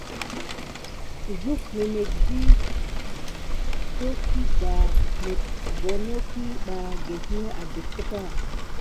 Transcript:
Suk énetke vi tokuga mis bonoki ɓa gelné adùck keta.